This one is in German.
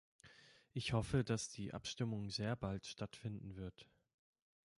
Ich hoffe, dass die Abstimmung sehr bald stattfinden wird.